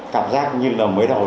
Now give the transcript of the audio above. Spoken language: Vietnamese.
cảm giác như là mới đầu